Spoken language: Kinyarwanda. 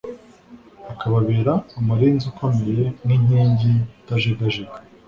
akababera umurinzi ukomeye n'inkingi itajegajega